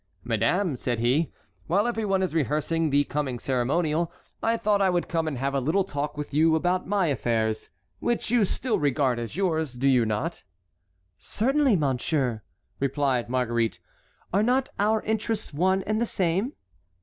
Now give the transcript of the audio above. "Madame," said he, "while every one is rehearsing the coming ceremonial, I thought I would come and have a little talk with you about my affairs, which you still regard as yours, do you not?" "Certainly, monsieur," replied Marguerite; "are not our interests one and the same?"